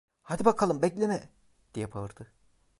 "Hadi bakalım, bekleme!" diye bağırdı.